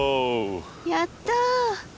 やった！